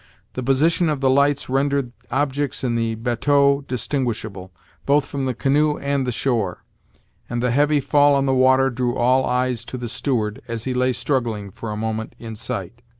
The position of the lights rendered objects in the batteau distinguishable, both from the canoe and the shore; and the heavy fall on the water drew all eyes to the steward, as he lay struggling, for a moment, in sight.